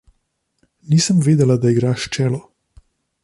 Nisem vedela, da igraš čelo.